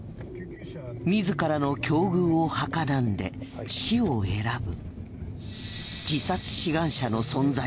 自らの境遇をはかなんで死を選ぶ。